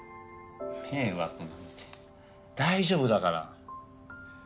迷惑なんて大丈夫だから。